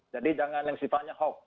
jadi jangan yang sifatnya hoax